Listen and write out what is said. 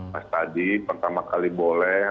mas tadi pertama kali boleh